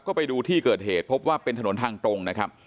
ก็ไปดูที่เกิดเหตุพบว่าเป็นถนนทางตรงนะครับ